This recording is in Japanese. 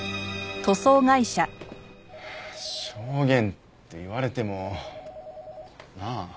証言って言われてもなあ？